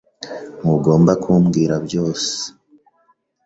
Ntugomba kumbwira byose